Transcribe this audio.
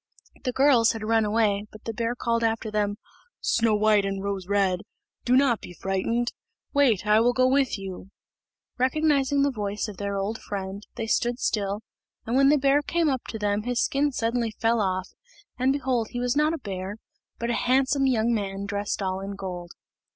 The girls had run away, but the bear called after them, "Snow white and Rose red, do not be frightened; wait, I will go with you. Recognising the voice of their old friend, they stood still, and when the bear came up to them his skin suddenly fell off; and behold he was not a bear, but a handsome young man dressed all in gold.